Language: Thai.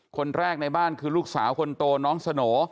คนแรกในบ้านคือลูกสาวคนโตน้องสโหน่